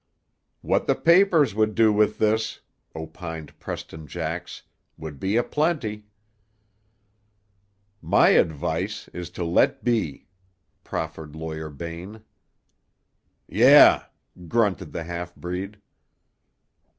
"What the papers would do with this," opined Preston Jax, "would be a plenty." "My advice is to let be," proffered Lawyer Bain. "Yeh," grunted the half breed.